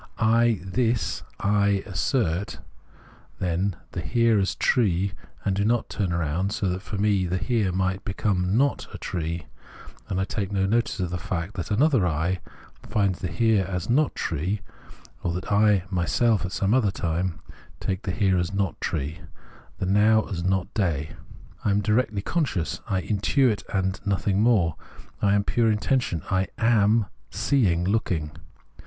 I, this I, assert, then, the Here as tree, and do not turn round so that for me Here might become not a tree, and I take no notice of the fact that another I finds the Here as not tree, or that I myself at some other time take the Here as not tree, the Now as not day. I am directly conscious, I intuit and nothing more, 1 1 am pure intuition ; I am — seeing, looking.